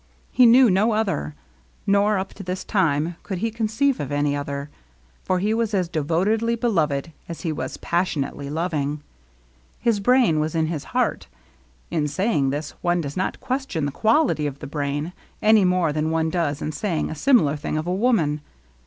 He knew no other, nor up to this time could he conceive of any other ; for he was as devotedly beloved as he was passionately loving. His brain was in his heart. In saying this one does not question the quality of the brain, any more than one does in saying a similar thing of a woman.